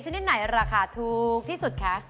อันนี้ไหนราคาถูกที่สุดคะ